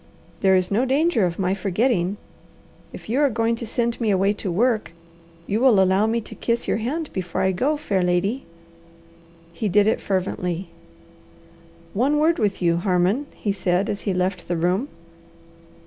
"There is no danger of my forgetting. If you are going to send me away to work, you will allow me to kiss your hand before I go, fair lady?" He did it fervently. "One word with you, Harmon," he said as he left the room.